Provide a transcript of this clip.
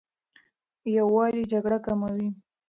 یووالی جګړه کموي.